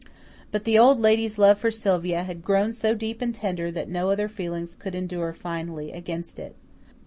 But the Old Lady's love for Sylvia had grown so strong and deep and tender that no other feeling could endure finally against it.